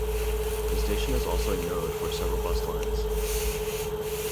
The station is also a node for several bus lines.